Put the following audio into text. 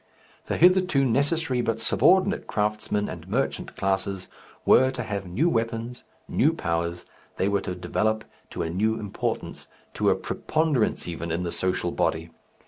The hitherto necessary but subordinate craftsman and merchant classes were to have new weapons, new powers, they were to develop to a new importance, to a preponderance even in the social body.